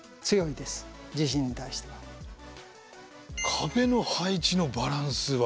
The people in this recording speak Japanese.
「壁の配置のバランス」は？